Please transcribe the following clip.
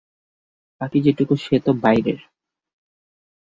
বাকি যেটুকু সে তো বাইরের।